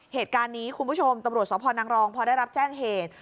เหตุการณ์นี้คุณผู้ชมตำรวจสพนังรองพอได้รับแจ้งเหตุ